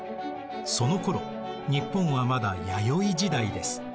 そのころ日本はまだ弥生時代です。